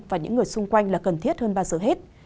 và những người xung quanh là cần thiết hơn bao giờ hết